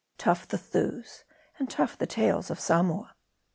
Tough the thews, and tough the tales of Samoa.